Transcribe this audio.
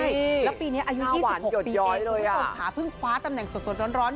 โอ้โหแล้วปีนี้อายุ๒๖ปีเองคุณผู้สมขาพึ่งคว้าตำแหน่งส่วนร้อน